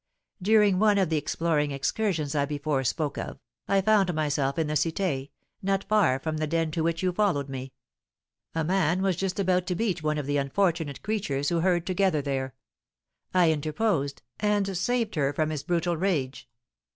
During one of the exploring excursions I before spoke of, I found myself in the Cité, not far from the den to which you followed me. A man was just going to beat one of the unfortunate creatures who herd together there; I interposed, and saved her from his brutal rage.